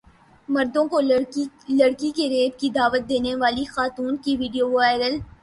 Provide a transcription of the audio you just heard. مردوں کو لڑکی کے ریپ کی دعوت دینے والی خاتون کی ویڈیو وائرل